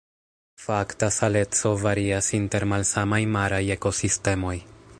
Fakta saleco varias inter malsamaj maraj ekosistemoj.